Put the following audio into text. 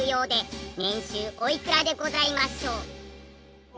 年収おいくらでございましょう？